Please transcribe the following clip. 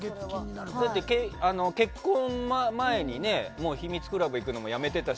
結婚前に秘密クラブ行くのもやめてたし。